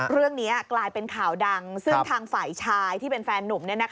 เรื่องนี้กลายเป็นข่าวดังซึ่งทางฝ่ายชายที่เป็นแฟนนุ่ม